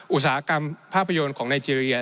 อุตสาหกรรมภาษณ์ภาคประโยนของไนเจรีย